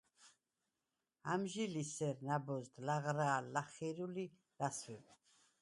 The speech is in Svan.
ამჟი ლი სერ ნა̈ბოზდ ლაღრა̄ლ, ლიხი̄რულ ი ლასვიბ.